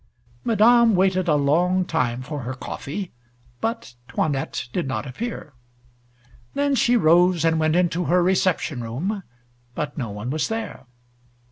Madame waited a long time for her coffee, but 'Toinette did not appear. Then she rose and went into her reception room, but no one was there.